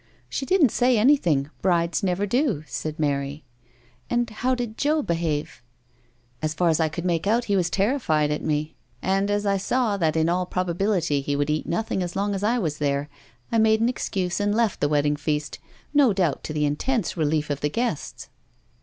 "She didn't say anything. Brides never do," said Mary. " And how did Joe behave ?"" As far as I could make out he was terri fied at me, and as I saw that in all probability he would eat nothing as long as I was there, I made an excuse and left the wedding feast, no doubt to the intense relief of the guests."